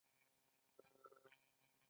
بدن د ملیاردونو حجرو همغږي ده.